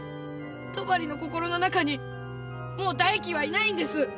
戸張の心の中にもう大樹はいないんです。